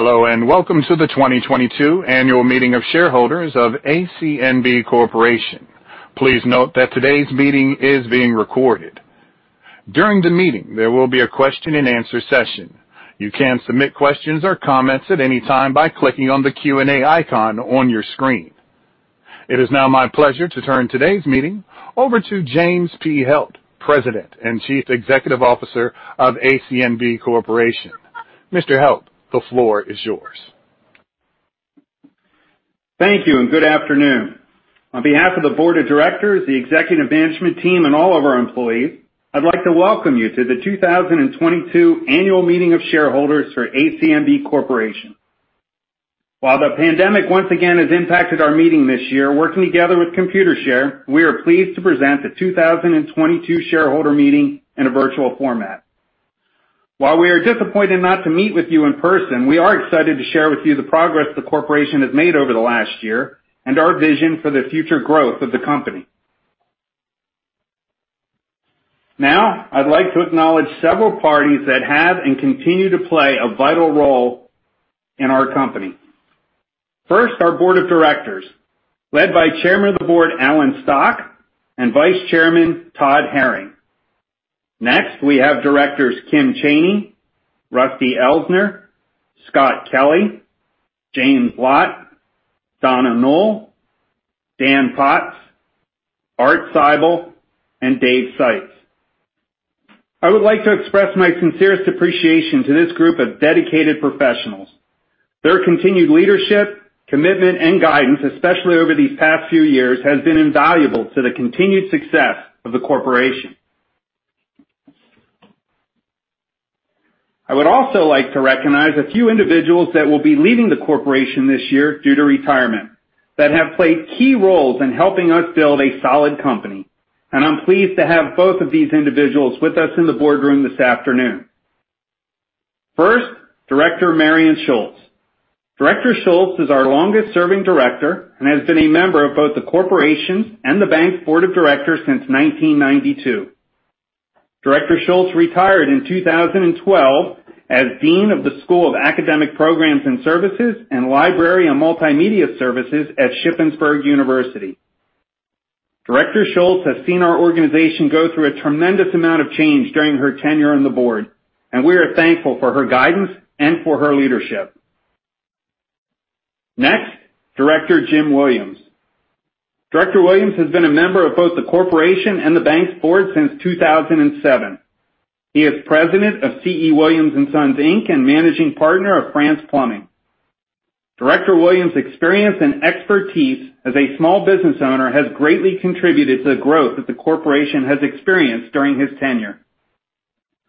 Hello, and welcome to the 2022 Annual Meeting of Shareholders of ACNB Corporation. Please note that today's meeting is being recorded. During the meeting, there will be a question-and-answer session. You can submit questions or comments at any time by clicking on the Q&A icon on your screen. It is now my pleasure to turn today's meeting over to James P. Helt, President and Chief Executive Officer of ACNB Corporation. Mr. Helt, the floor is yours. Thank you, and good afternoon. On behalf of the board of directors, the executive management team, and all of our employees, I'd like to welcome you to the 2022 Annual Meeting of Shareholders for ACNB Corporation. While the pandemic, once again, has impacted our meeting this year, working together with Computershare, we are pleased to present the 2022 shareholder meeting in a virtual format. While we are disappointed not to meet with you in person, we are excited to share with you the progress the corporation has made over the last year and our vision for the future growth of the company. Now, I'd like to acknowledge several parties that have and continue to play a vital role in our company. First, our board of directors, led by Chairman of the Board, Alan Stock, and Vice Chairman, Todd Herring. Next, we have directors Kim Chaney, Rusty Elsner, Scott Kelley, James Lott, Donna Knoll, Dan Potts, Art Seibel, and Dave Sites. I would like to express my sincerest appreciation to this group of dedicated professionals. Their continued leadership, commitment, and guidance, especially over these past few years, has been invaluable to the continued success of the corporation. I would also like to recognize a few individuals that will be leaving the corporation this year due to retirement, that have played key roles in helping us build a solid company, and I'm pleased to have both of these individuals with us in the boardroom this afternoon. First, Director Marian Schultz. Director Schultz is our longest-serving director and has been a member of both the corporation and the bank's board of directors since 1992. Director Schultz retired in 2012 as Dean of the School of Academic Programs and Services and Library and Multimedia Services at Shippensburg University. Director Schultz has seen our organization go through a tremendous amount of change during her tenure on the board, and we are thankful for her guidance and for her leadership. Next, Director Jim Williams. Director Williams has been a member of both the corporation and the bank's board since 2007. He is president of C.E. Williams Sons, Inc., and managing partner of France Plumbing. Director Williams' experience and expertise as a small business owner has greatly contributed to the growth that the corporation has experienced during his tenure.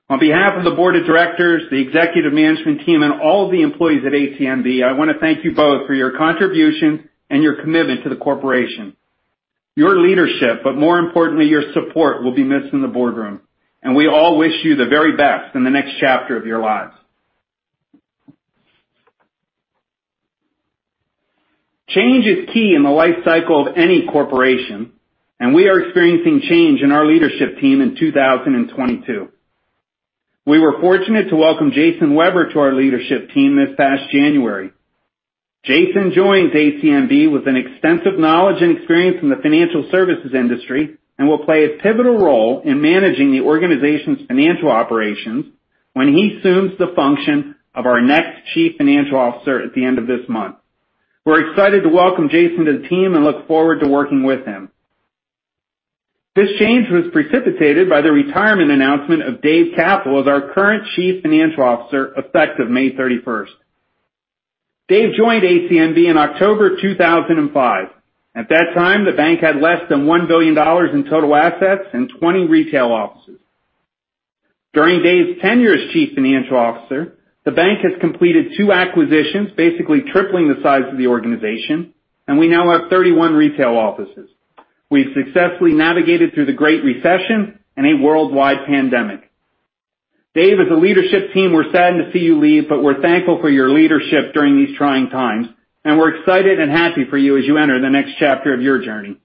On behalf of the board of directors, the executive management team, and all of the employees at ACNB, I wanna thank you both for your contribution and your commitment to the corporation. Your leadership, but more importantly, your support, will be missed in the boardroom, and we all wish you the very best in the next chapter of your lives. Change is key in the life cycle of any corporation, and we are experiencing change in our leadership team in 2022. We were fortunate to welcome Jason Weber to our leadership team this past January. Jason joins ACNB with an extensive knowledge and experience in the financial services industry and will play a pivotal role in managing the organization's financial operations when he assumes the function of our next chief financial officer at the end of this month. We're excited to welcome Jason to the team and look forward to working with him. This change was precipitated by the retirement announcement of Dave Cathell as our current chief financial officer, effective May 31. Dave joined ACNB in October 2005. At that time, the bank had less than $1 billion in total assets and 20 retail offices. During Dave's tenure as chief financial officer, the bank has completed two acquisitions, basically tripling the size of the organization, and we now have 31 retail offices. We've successfully navigated through the Great Recession and a worldwide pandemic. Dave, as a leadership team, we're saddened to see you leave, but we're thankful for your leadership during these trying times, and we're excited and happy for you as you enter the next chapter of your journey.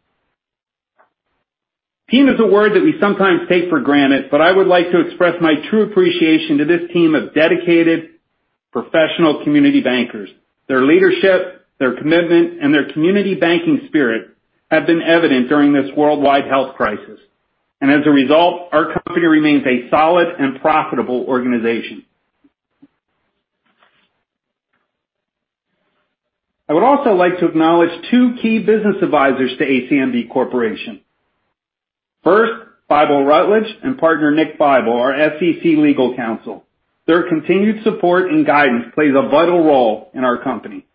Team is a word that we sometimes take for granted, but I would like to express my true appreciation to this team of dedicated professional community bankers. Their leadership, their commitment, and their community banking spirit have been evident during this worldwide health crisis, and as a result, our company remains a solid and profitable organization. I would also like to acknowledge two key business advisors to ACNB Corporation. First, Bybel Rutledge LLP and partner Nick Bybel, our SEC legal counsel. Their continued support and guidance plays a vital role in our company.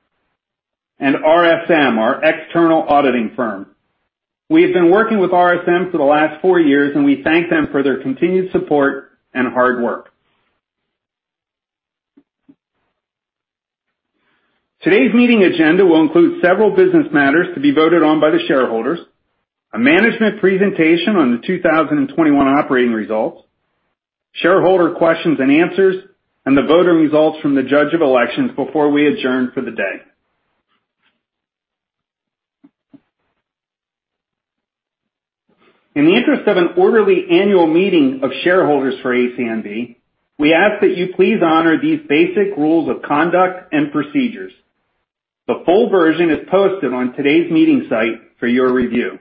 RSM, our external auditing firm. We have been working with RSM for the last four years, and we thank them for their continued support and hard work. Today's meeting agenda will include several business matters to be voted on by the shareholders, a management presentation on the 2021 operating results, shareholder questions and answers, and the voting results from the judge of elections before we adjourn for the day. In the interest of an orderly annual meeting of shareholders for ACNB, we ask that you please honor these basic rules of conduct and procedures. The full version is posted on today's meeting site for your review.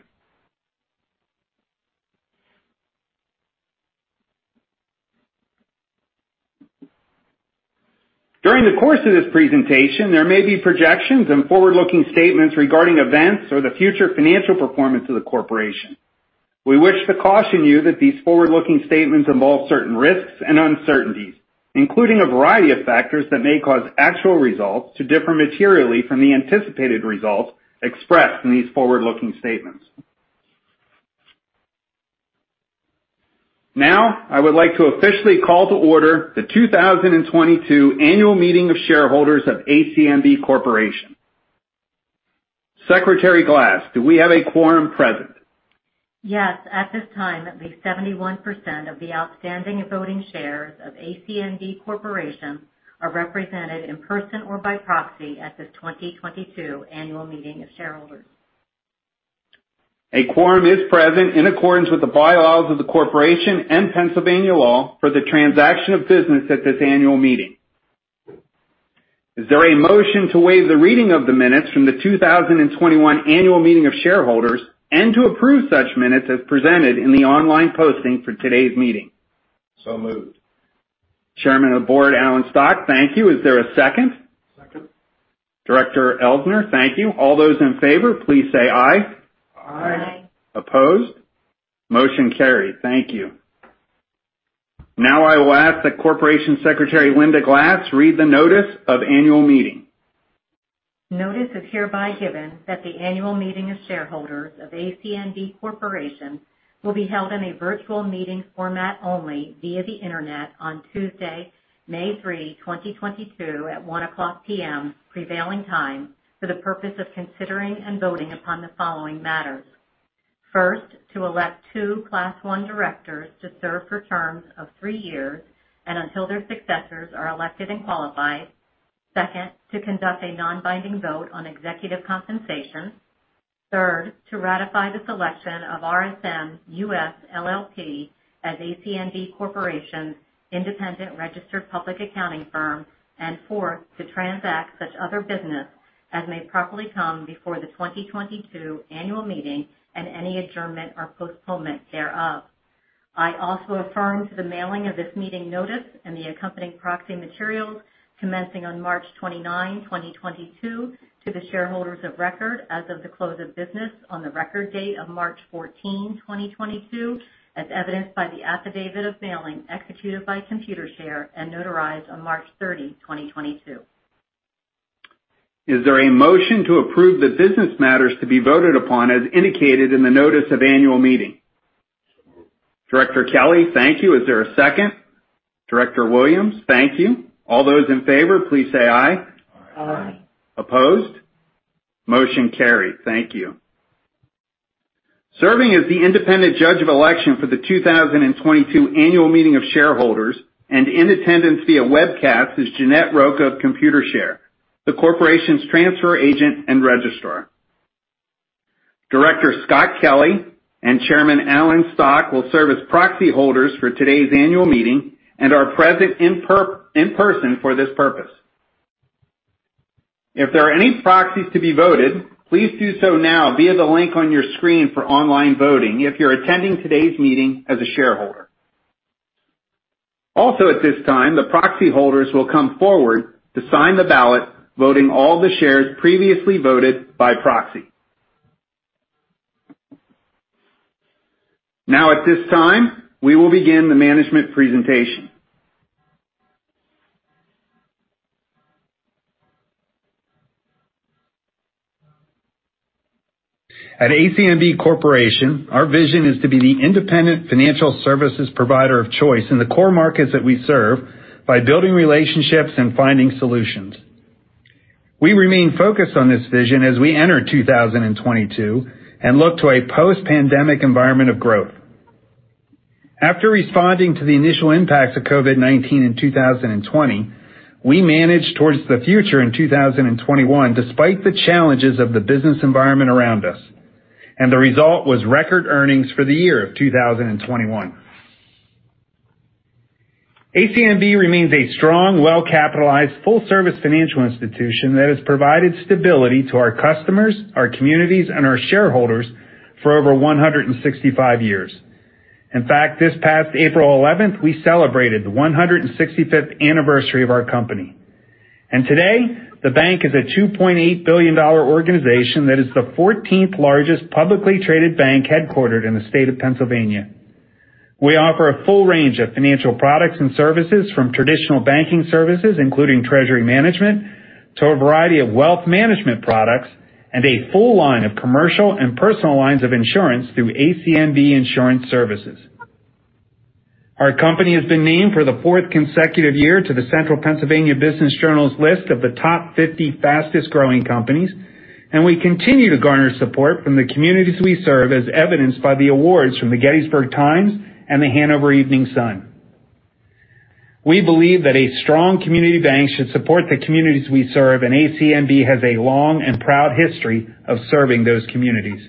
During the course of this presentation, there may be projections and forward-looking statements regarding events or the future financial performance of the corporation. We wish to caution you that these forward-looking statements involve certain risks and uncertainties, including a variety of factors that may cause actual results to differ materially from the anticipated results expressed in these forward-looking statements. Now, I would like to officially call to order the 2022 annual meeting of shareholders of ACNB Corporation. Secretary Glass, do we have a quorum present? Yes, at this time, at least 71% of the outstanding voting shares of ACNB Corporation are represented in person or by proxy at this 2022 annual meeting of shareholders. A quorum is present in accordance with the bylaws of the corporation and Pennsylvania law for the transaction of business at this annual meeting. Is there a motion to waive the reading of the minutes from the 2021 annual meeting of shareholders and to approve such minutes as presented in the online posting for today's meeting? So moved. Chairman of the Board, Alan J. Stock, thank you. Is there a second? Second. Director Elsner, thank you. All those in favor, please say aye. Aye. Aye. Opposed? Motion carried. Thank you. Now I will ask that Corporation Secretary Lynda L. Glass read the notice of annual meeting. Notice is hereby given that the annual meeting of shareholders of ACNB Corporation will be held in a virtual meeting format only via the Internet on Tuesday, May 3, 2022 at 1:00 P.M. prevailing time for the purpose of considering and voting upon the following matters. First, to elect two Class One directors to serve for terms of three years and until their successors are elected and qualified. Second, to conduct a non-binding vote on executive compensation. Third, to ratify the selection of RSM US LLP as ACNB Corporation's independent registered public accounting firm. And fourth, to transact such other business as may properly come before the 2022 annual meeting and any adjournment or postponement thereof. I also affirm to the mailing of this meeting notice and the accompanying proxy materials commencing on March 29, 2022 to the shareholders of record as of the close of business on the record date of March 14, 2022, as evidenced by the affidavit of mailing executed by Computershare and notarized on March 30, 2022. Is there a motion to approve the business matters to be voted upon as indicated in the notice of annual meeting? So moved. Director Kelley, thank you. Is there a second? Director Williams. Thank you. All those in favor, please say aye. Aye. Aye. Opposed? Motion carried. Thank you. Serving as the independent judge of election for the 2022 annual meeting of shareholders and in attendance via webcast is Jeannette Rocha of Computershare, the corporation's transfer agent and registrar. Director Scott Kelley and Chairman Alan Stock will serve as proxy holders for today's annual meeting and are present in person for this purpose. If there are any proxies to be voted, please do so now via the link on your screen for online voting if you're attending today's meeting as a shareholder. Also, at this time, the proxy holders will come forward to sign the ballot, voting all the shares previously voted by proxy. Now, at this time, we will begin the management presentation. At ACNB Corporation, our vision is to be the independent financial services provider of choice in the core markets that we serve by building relationships and finding solutions. We remain focused on this vision as we enter 2022 and look to a post-pandemic environment of growth. After responding to the initial impacts of COVID-19 in 2020, we managed towards the future in 2021, despite the challenges of the business environment around us, and the result was record earnings for the year of 2021. ACNB remains a strong, well-capitalized, full-service financial institution that has provided stability to our customers, our communities, and our shareholders for over 165 years. In fact, this past April 11th, we celebrated the 165th anniversary of our company. Today, the bank is a $2.8 billion organization that is the 14th largest publicly traded bank headquartered in the state of Pennsylvania. We offer a full range of financial products and services, from traditional banking services, including treasury management, to a variety of wealth management products and a full line of commercial and personal lines of insurance through ACNB Insurance Services. Our company has been named for the 4th consecutive year to the Central Penn Business Journal's list of the top 50 fastest-growing companies, and we continue to garner support from the communities we serve, as evidenced by the awards from the Gettysburg Times and the Hanover Evening Sun. We believe that a strong community bank should support the communities we serve, and ACNB has a long and proud history of serving those communities.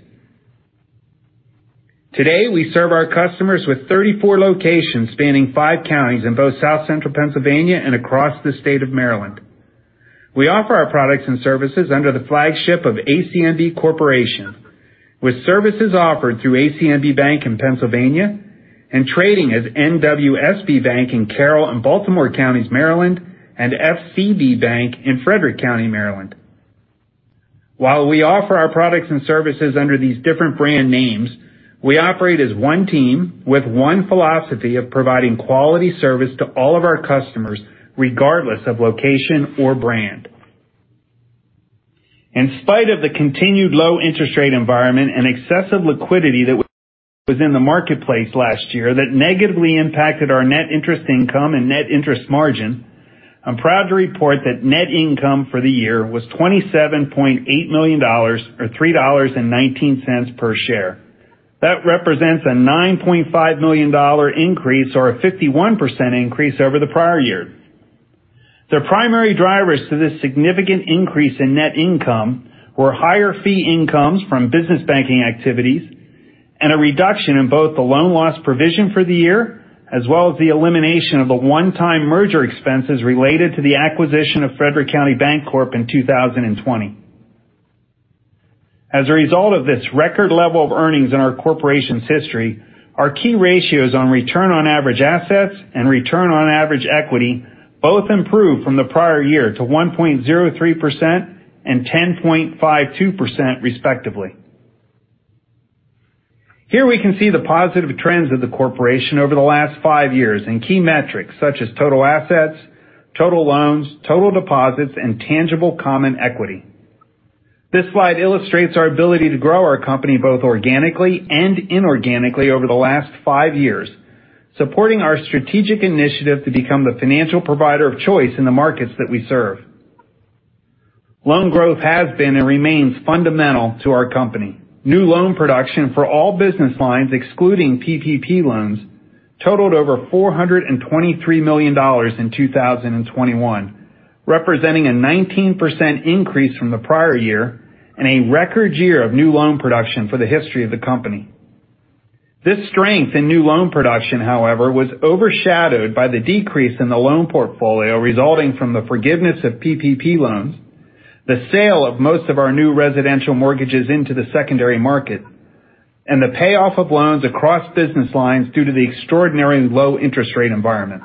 Today, we serve our customers with 34 locations spanning five counties in both South Central Pennsylvania and across the state of Maryland. We offer our products and services under the flagship of ACNB Corporation, with services offered through ACNB Bank in Pennsylvania and trading as NWSB Bank in Carroll and Baltimore Counties, Maryland, and FCB Bank in Frederick County, Maryland. While we offer our products and services under these different brand names, we operate as one team with one philosophy of providing quality service to all of our customers, regardless of location or brand. In spite of the continued low interest rate environment and excessive liquidity that was in the marketplace last year that negatively impacted our net interest income and net interest margin, I'm proud to report that net income for the year was $27.8 million or $3.19 per share. That represents a $9.5 million increase or a 51% increase over the prior year. The primary drivers to this significant increase in net income were higher fee incomes from business banking activities and a reduction in both the loan loss provision for the year, as well as the elimination of the one-time merger expenses related to the acquisition of Frederick County Bancorp in 2020. As a result of this record level of earnings in our corporation's history, our key ratios on return on average assets and return on average equity both improved from the prior year to 1.03% and 10.52%, respectively. Here we can see the positive trends of the corporation over the last five years in key metrics such as total assets, total loans, total deposits, and tangible common equity. This slide illustrates our ability to grow our company both organically and inorganically over the last five years, supporting our strategic initiative to become the financial provider of choice in the markets that we serve. Loan growth has been and remains fundamental to our company. New loan production for all business lines, excluding PPP loans, totaled over $423 million in 2021, representing a 19% increase from the prior year and a record year of new loan production for the history of the company. This strength in new loan production, however, was overshadowed by the decrease in the loan portfolio resulting from the forgiveness of PPP loans, the sale of most of our new residential mortgages into the secondary market, and the payoff of loans across business lines due to the extraordinarily low interest rate environment.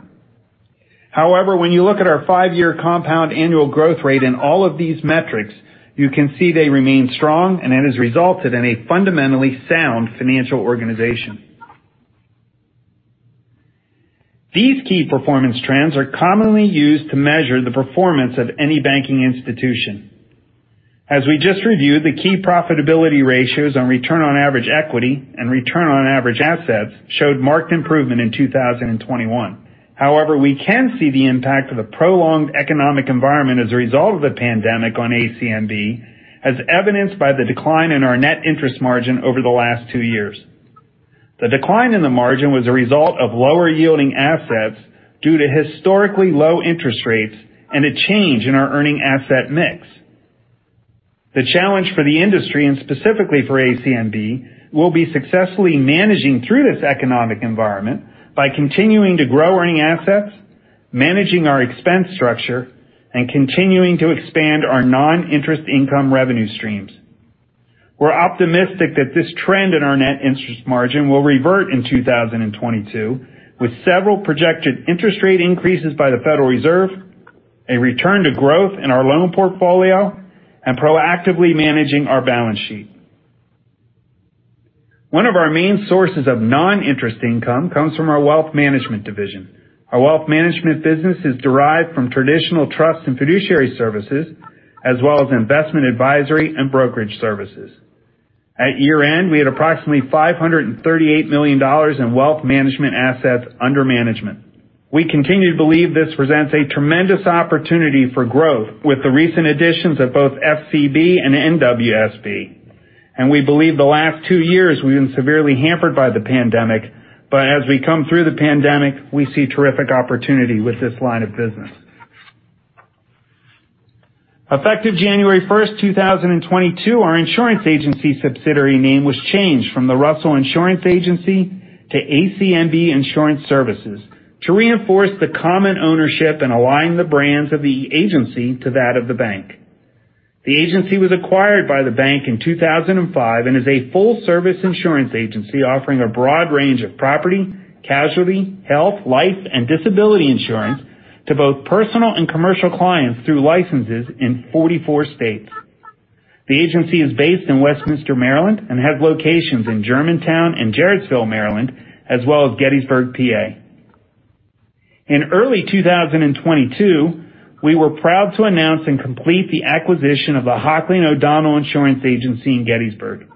However, when you look at our five-year compound annual growth rate in all of these metrics, you can see they remain strong, and it has resulted in a fundamentally sound financial organization. These key performance trends are commonly used to measure the performance of any banking institution. As we just reviewed, the key profitability ratios on return on average equity and return on average assets showed marked improvement in 2021. However, we can see the impact of the prolonged economic environment as a result of the pandemic on ACNB, as evidenced by the decline in our net interest margin over the last two years. The decline in the margin was a result of lower-yielding assets due to historically low interest rates and a change in our earning asset mix. The challenge for the industry, and specifically for ACNB, will be successfully managing through this economic environment by continuing to grow earning assets, managing our expense structure, and continuing to expand our non-interest income revenue streams. We're optimistic that this trend in our net interest margin will revert in 2022, with several projected interest rate increases by the Federal Reserve, a return to growth in our loan portfolio, and proactively managing our balance sheet. One of our main sources of non-interest income comes from our wealth management division. Our wealth management business is derived from traditional trust and fiduciary services as well as investment advisory and brokerage services. At year-end, we had approximately $538 million in wealth management assets under management. We continue to believe this presents a tremendous opportunity for growth with the recent additions of both FCB and NWSB, and we believe the last two years we've been severely hampered by the pandemic. As we come through the pandemic, we see terrific opportunity with this line of business. Effective January first, 2022, our insurance agency subsidiary name was changed from the Russell Insurance Agency to ACNB Insurance Services to reinforce the common ownership and align the brands of the agency to that of the bank. The agency was acquired by the bank in 2005 and is a full-service insurance agency offering a broad range of property, casualty, health, life, and disability insurance to both personal and commercial clients through licenses in 44 states. The agency is based in Westminster, Maryland, and has locations in Germantown and Jarrettsville, Maryland, as well as Gettysburg, PA. In early 2022, we were proud to announce and complete the acquisition of the Hockley & O'Donnell Insurance Agency in Gettysburg.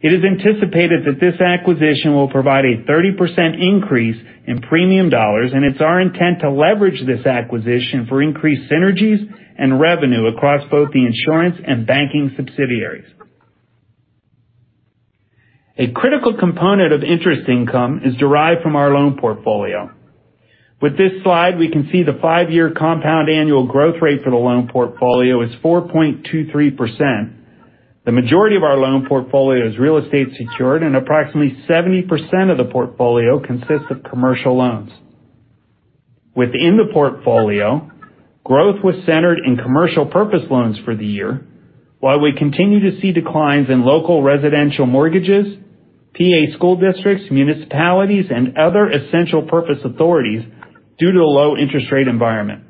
It is anticipated that this acquisition will provide a 30% increase in premium dollars, and it's our intent to leverage this acquisition for increased synergies and revenue across both the insurance and banking subsidiaries. A critical component of interest income is derived from our loan portfolio. With this slide, we can see the five-year compound annual growth rate for the loan portfolio is 4.23%. The majority of our loan portfolio is real estate secured, and approximately 70% of the portfolio consists of commercial loans. Within the portfolio, growth was centered in commercial purpose loans for the year. While we continue to see declines in local residential mortgages, PA school districts, municipalities and other essential purpose authorities due to a low interest rate environment.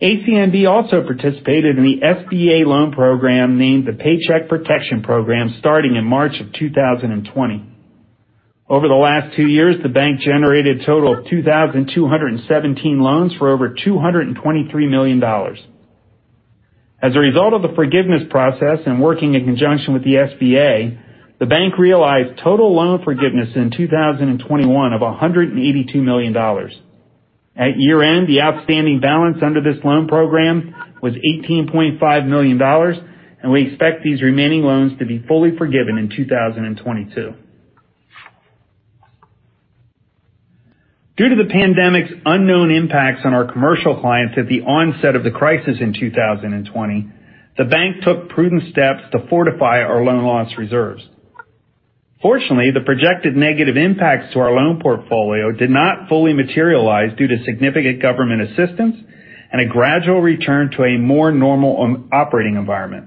ACNB also participated in the SBA loan program named the Paycheck Protection Program starting in March of 2020. Over the last two years, the bank generated a total of 2,217 loans for over $223 million. As a result of the forgiveness process and working in conjunction with the SBA, the bank realized total loan forgiveness in 2021 of $182 million. At year-end, the outstanding balance under this loan program was $18.5 million, and we expect these remaining loans to be fully forgiven in 2022. Due to the pandemic's unknown impacts on our commercial clients at the onset of the crisis in 2020, the bank took prudent steps to fortify our loan loss reserves. Fortunately, the projected negative impacts to our loan portfolio did not fully materialize due to significant government assistance and a gradual return to a more normal operating environment.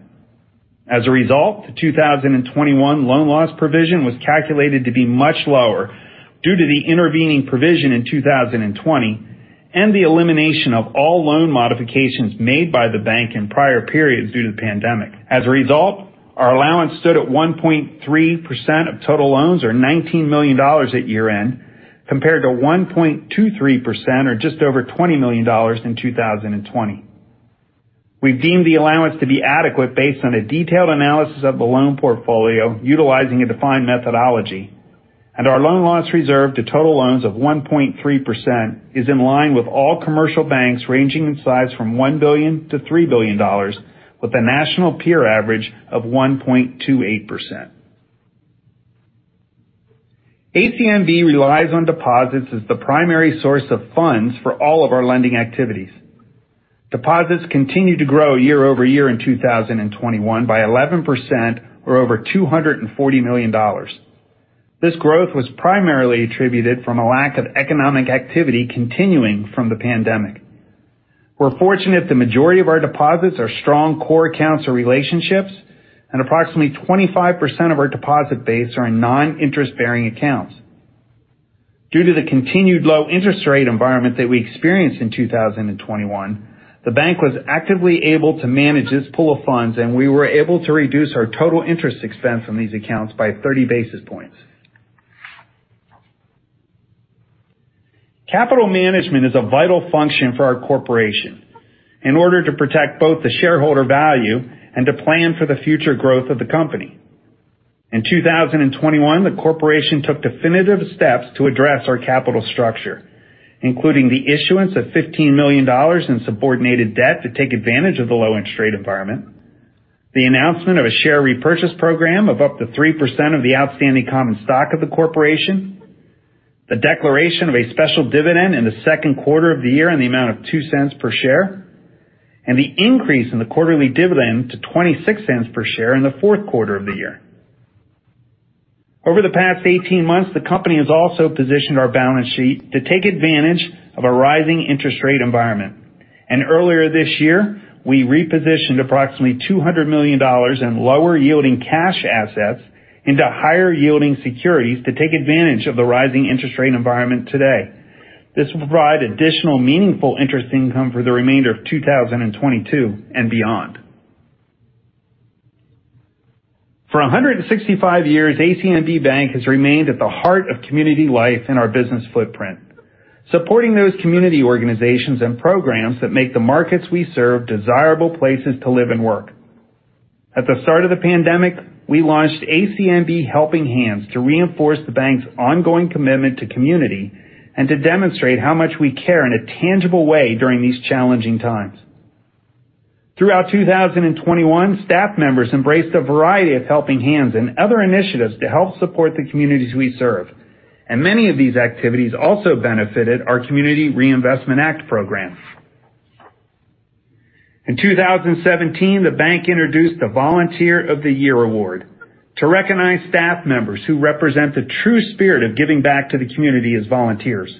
As a result, the 2021 loan loss provision was calculated to be much lower due to the intervening provision in 2020 and the elimination of all loan modifications made by the bank in prior periods due to the pandemic. As a result, our allowance stood at 1.3% of total loans, or $19 million at year-end, compared to 1.23% or just over $20 million in 2020. We've deemed the allowance to be adequate based on a detailed analysis of the loan portfolio utilizing a defined methodology, and our loan loss reserve to total loans of 1.3% is in line with all commercial banks ranging in size from $1 billion-$3 billion, with a national peer average of 1.28%. ACNB relies on deposits as the primary source of funds for all of our lending activities. Deposits continued to grow year-over-year in 2021 by 11% or over $240 million. This growth was primarily attributed from a lack of economic activity continuing from the pandemic. We're fortunate the majority of our deposits are strong core accounts or relationships, and approximately 25% of our deposit base are in non-interest bearing accounts. Due to the continued low interest rate environment that we experienced in 2021, the bank was actively able to manage its pool of funds, and we were able to reduce our total interest expense from these accounts by 30 basis points. Capital management is a vital function for our corporation in order to protect both the shareholder value and to plan for the future growth of the company. In 2021, the corporation took definitive steps to address our capital structure, including the issuance of $15 million in subordinated debt to take advantage of the low interest rate environment, the announcement of a share repurchase program of up to 3% of the outstanding common stock of the corporation, the declaration of a special dividend in the second quarter of the year in the amount of $0.02 per share, and the increase in the quarterly dividend to $0.26 per share in the fourth quarter of the year. Over the past 18 months, the company has also positioned our balance sheet to take advantage of a rising interest rate environment. Earlier this year, we repositioned approximately $200 million in lower yielding cash assets into higher yielding securities to take advantage of the rising interest rate environment today. This will provide additional meaningful interest income for the remainder of 2022 and beyond. For 165 years, ACNB Bank has remained at the heart of community life in our business footprint, supporting those community organizations and programs that make the markets we serve desirable places to live and work. At the start of the pandemic, we launched ACNB Helping Hands to reinforce the bank's ongoing commitment to community and to demonstrate how much we care in a tangible way during these challenging times. Throughout 2021, staff members embraced a variety of Helping Hands and other initiatives to help support the communities we serve, and many of these activities also benefited our Community Reinvestment Act program. In 2017, the bank introduced the Volunteer of the Year award to recognize staff members who represent the true spirit of giving back to the community as volunteers.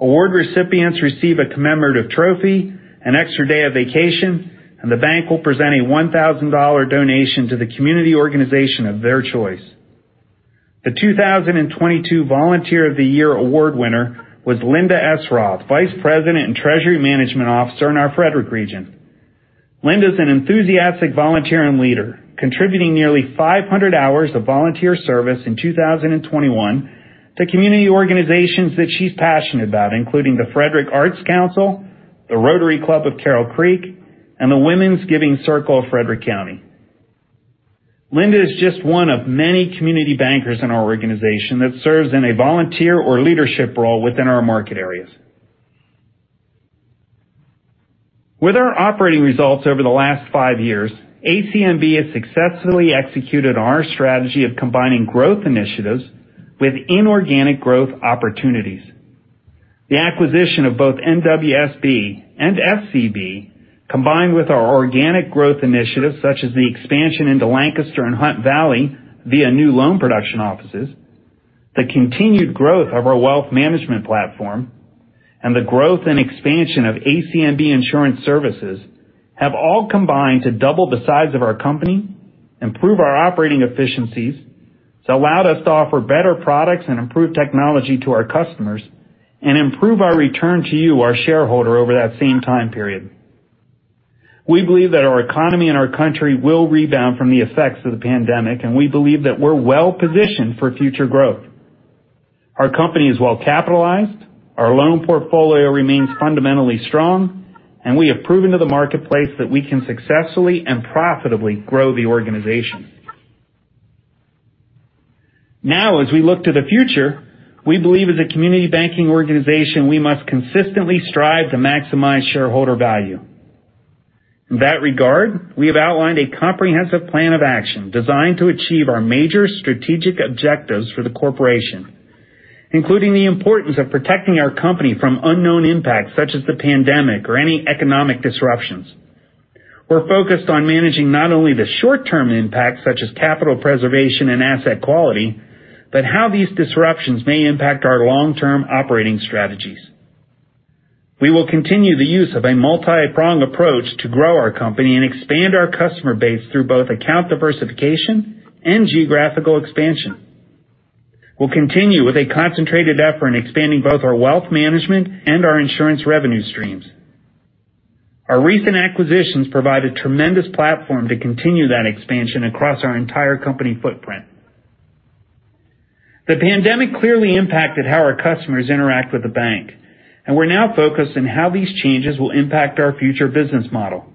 Award recipients receive a commemorative trophy, an extra day of vacation, and the bank will present a $1,000 donation to the community organization of their choice. The 2022 Volunteer of the Year Award winner was Linda S. Roth, Vice President and Treasury Management Officer in our Frederick region. Linda is an enthusiastic volunteer and leader, contributing nearly 500 hours of volunteer service in 2021 to community organizations that she's passionate about, including the Frederick Arts Council, the Rotary Club of Carroll Creek, and the Women's Giving Circle of Frederick County. Linda is just one of many community bankers in our organization that serves in a volunteer or leadership role within our market areas. With our operating results over the last five years, ACNB has successfully executed our strategy of combining growth initiatives with inorganic growth opportunities. The acquisition of both NWSB and FCB, combined with our organic growth initiatives, such as the expansion into Lancaster and Hunt Valley via new loan production offices, the continued growth of our wealth management platform, and the growth and expansion of ACNB Insurance Services, have all combined to double the size of our company, improve our operating efficiencies. It's allowed us to offer better products and improve technology to our customers and improve our return to you, our shareholder, over that same time period. We believe that our economy and our country will rebound from the effects of the pandemic, and we believe that we're well-positioned for future growth. Our company is well-capitalized. Our loan portfolio remains fundamentally strong, and we have proven to the marketplace that we can successfully and profitably grow the organization. Now, as we look to the future, we believe as a community banking organization, we must consistently strive to maximize shareholder value. In that regard, we have outlined a comprehensive plan of action designed to achieve our major strategic objectives for the corporation, including the importance of protecting our company from unknown impacts such as the pandemic or any economic disruptions. We're focused on managing not only the short-term impacts, such as capital preservation and asset quality, but how these disruptions may impact our long-term operating strategies. We will continue the use of a multipronged approach to grow our company and expand our customer base through both account diversification and geographical expansion. We'll continue with a concentrated effort in expanding both our wealth management and our insurance revenue streams. Our recent acquisitions provide a tremendous platform to continue that expansion across our entire company footprint. The pandemic clearly impacted how our customers interact with the bank, and we're now focused on how these changes will impact our future business model.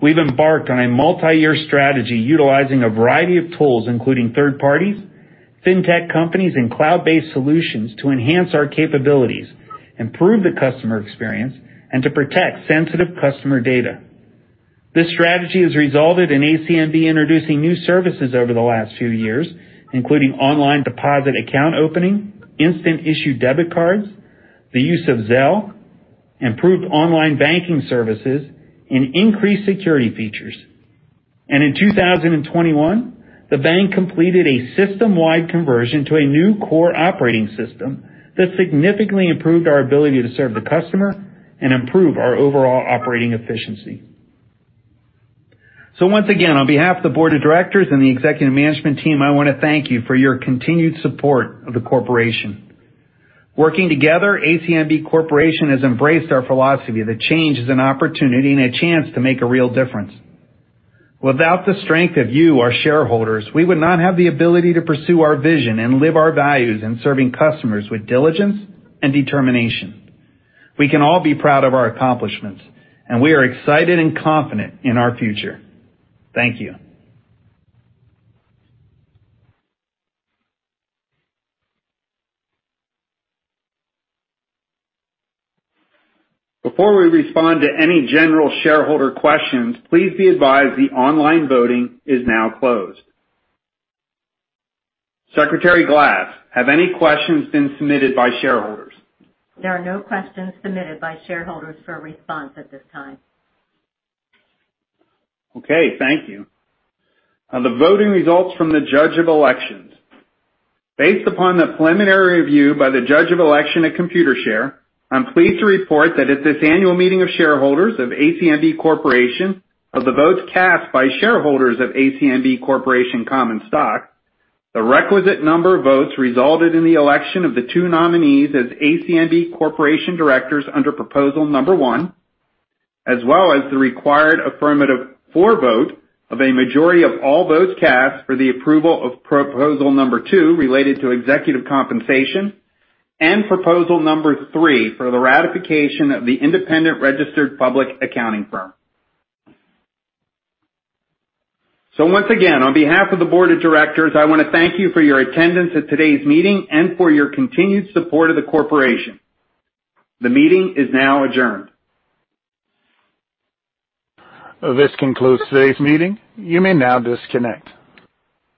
We've embarked on a multiyear strategy utilizing a variety of tools, including third parties, fintech companies, and cloud-based solutions to enhance our capabilities, improve the customer experience, and to protect sensitive customer data. This strategy has resulted in ACNB introducing new services over the last few years, including online deposit account opening, instant issue debit cards, the use of Zelle, improved online banking services, and increased security features. In 2021, the bank completed a system-wide conversion to a new core operating system that significantly improved our ability to serve the customer and improve our overall operating efficiency. Once again, on behalf of the board of directors and the executive management team, I want to thank you for your continued support of the corporation. Working together, ACNB Corporation has embraced our philosophy that change is an opportunity and a chance to make a real difference. Without the strength of you, our shareholders, we would not have the ability to pursue our vision and live our values in serving customers with diligence and determination. We can all be proud of our accomplishments, and we are excited and confident in our future. Thank you. Before we respond to any general shareholder questions, please be advised the online voting is now closed. Secretary Glass, have any questions been submitted by shareholders? There are no questions submitted by shareholders for response at this time. Okay. Thank you. Now, the voting results from the judge of elections. Based upon the preliminary review by the judge of election at Computershare, I'm pleased to report that at this annual meeting of shareholders of ACNB Corporation, of the votes cast by shareholders of ACNB Corporation common stock, the requisite number of votes resulted in the election of the two nominees as ACNB Corporation directors under proposal number one, as well as the required affirmative vote of a majority of all votes cast for the approval of proposal number two related to executive compensation, and proposal number three for the ratification of the independent registered public accounting firm. Once again, on behalf of the board of directors, I want to thank you for your attendance at today's meeting and for your continued support of the corporation. The meeting is now adjourned. This concludes today's meeting. You may now disconnect.